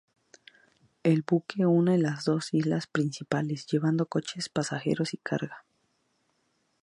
El buque une las dos islas principales, llevando coches, pasajeros y carga.